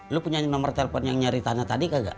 lu punya nomer telepon yang nyari tanda tadi kagak